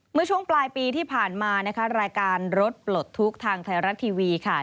เมื่อช่วงปลายปีที่ผ่านมานะคะรายการรถปลดทุกข์ทางไทยรัฐทีวีค่ะ